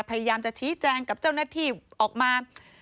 พยายามจะชี้แจงกับเจ้าหน้าที่ออกมา